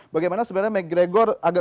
bagaimana sebenarnya mcgregor agak